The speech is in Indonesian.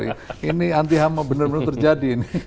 ini anti hama benar benar terjadi ini